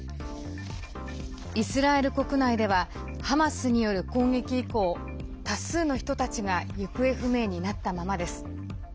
イスラエル国内ではハマスによる攻撃以降多数の人たちが行方不明になったままです。